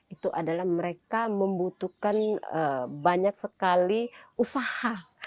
itu adalah mereka membutuhkan banyak sekali usaha